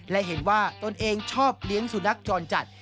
และเห็นว่าตนเองชอบเลี้ยงสุนัขจรจัด